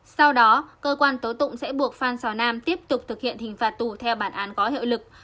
sau đó cơ quan tố tụng sẽ buộc phan xào nam tiếp tục thực hiện hình phạt tù theo bản án có hiệu lực